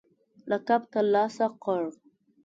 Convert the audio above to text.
لقب ترلاسه کړ